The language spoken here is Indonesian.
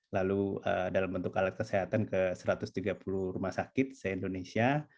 lalu dalam bentuk alat kesehatan ke satu ratus tiga puluh rumah sakit se indonesia